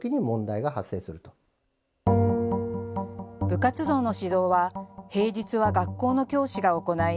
部活動の指導は平日は学校の教師が行い